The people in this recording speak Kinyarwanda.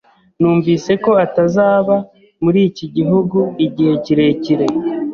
Numvise ko atazaba muri iki gihugu igihe kirekire.